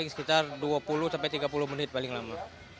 sekitar dua puluh sampai tiga puluh menit paling lama